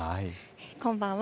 こんばんは。